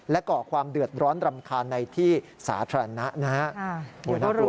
และเกาะความเดือดร้อนรำคาญในที่สาธารณะนะฮะ